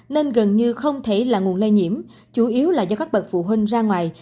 nên gần như không thể là nguồn lây nhiễm chủ yếu là do các bậc phụ huynh ra ngoài